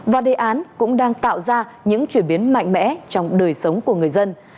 và đề án cũng đang tạo ra những chuyển biến mạnh mẽ trong đời sống của người dân